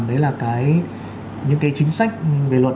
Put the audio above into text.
đấy là những cái chính sách về luật